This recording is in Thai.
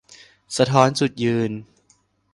สะท้อนจุดยืน